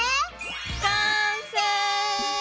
完成！